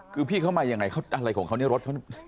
คือพี่เขามายังไงอะไรของเขาเนี่ยรถเขา